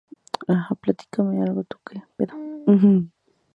Junto a los themas, existieron otros tipos de unidades provinciales.